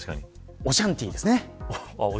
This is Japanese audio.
おシャンティですね。